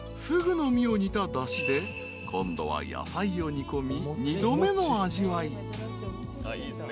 ［フグの身を煮ただしで今度は野菜を煮込み２度目の味わい］